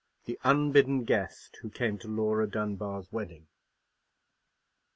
THE UNBIDDEN GUEST WHO CAME TO LAURA DUNBAR'S WEDDING.